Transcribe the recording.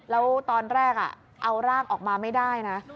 แล้วตอนแรกเอาร่างออกมาไม่ได้นะ